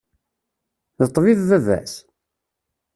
D ṭṭbib baba-s?